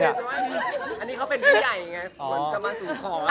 เขาเป็นพี่ใหญ่อ่ะ